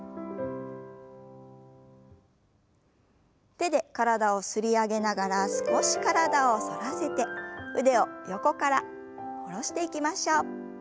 手で体を擦り上げながら少し体を反らせて腕を横から下ろしていきましょう。